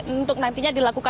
untuk nantinya dilakukan